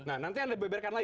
nah nanti anda beberkan lagi